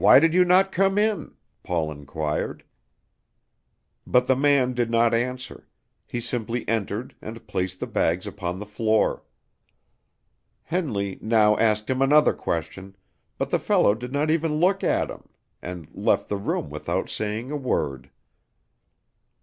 "Why did you not come in?" Paul inquired. But the man did not answer; he simply entered and placed the bags upon the floor. Henley now asked him another question, but the fellow did not even look at him, and left the room without saying a word.